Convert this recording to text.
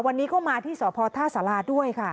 วันนี้ก็มาที่สพท่าสาราด้วยค่ะ